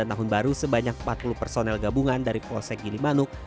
tahun baru sebanyak empat puluh personel gabungan dari polsek gilimanuk